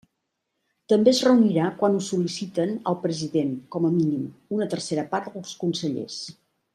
També es reunirà quan ho sol·liciten al president, com a mínim, una tercera part dels consellers.